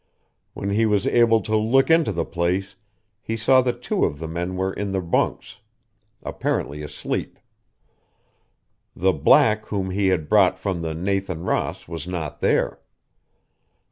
When he was able to look into the place, he saw that two of the men were in their bunks, apparently asleep. The black whom he had brought from the Nathan Ross was not there.